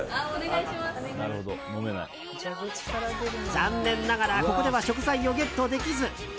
残念ながらここでは食材をゲットできず。